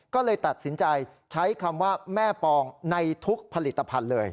ก็เลยตัดสินใจใช้คำว่าแม่ปองในทุกผลิตภัณฑ์เลย